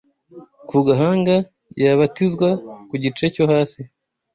ku gahanga yabatizwa ku gice cyo hasi